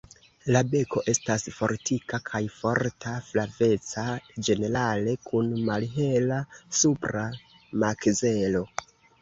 La beko estas fortika kaj forta, flaveca ĝenerale kun malhela supra makzelo.